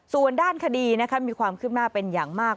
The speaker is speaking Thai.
ส่วนด้านคดีมีความคืบหน้าเป็นอย่างมาก